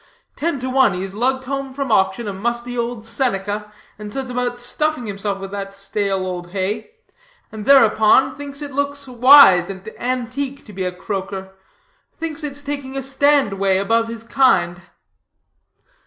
Ten to one, he has lugged home from auction a musty old Seneca, and sets about stuffing himself with that stale old hay; and, thereupon, thinks it looks wise and antique to be a croaker, thinks it's taking a stand way above his kind."